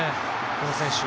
この選手。